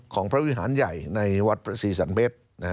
ของพระวิหารใหญ่ในวัดพระศรีสันเพชร